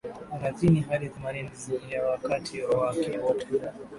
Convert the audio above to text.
Thelathini hadi themanini ya wakazi wake wote